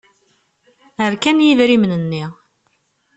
Rkan yidrimen-nni.